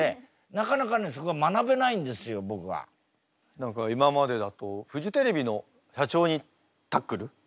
何か今までだとフジテレビの社長にタックル？